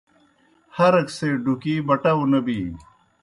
ہرک سے ڈُکِی بٹاؤ نہ بِینیْ